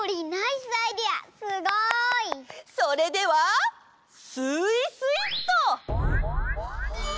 それではスイスイっと！